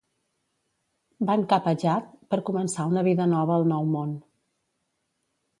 Van cap a Jadd per començar una vida nova al nou món.